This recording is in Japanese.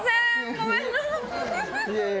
ごめんなさい。